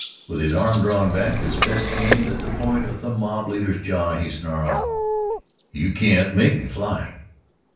With his arm drawn back, his fist aimed at the point of the mob leader's jaw, he snarled: "You can't make me fly.